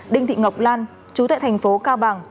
đinh thị ngọc lan chú tại thành phố cao bằng